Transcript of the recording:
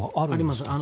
あります。